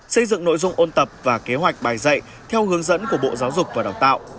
xây dựng nội dung ôn tập và kế hoạch bài dạy theo hướng dẫn của bộ giáo dục và đào tạo